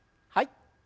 はい。